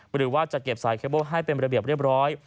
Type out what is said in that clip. หรือว่าจะเก็บสายเคเบิ้ลให้เป็นระเบียบเรียบร้อย